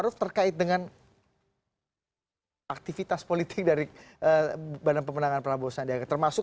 saya tidak menuduh